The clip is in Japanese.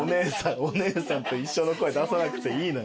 お姉さんと一緒の声出さなくていいのよ。